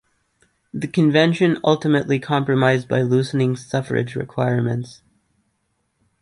The convention ultimately compromised by loosening suffrage requirements.